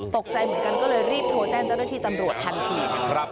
ตกใจเหมือนกันก็เลยรีบโทรแจ้งเจ้าหน้าที่ตำรวจทันที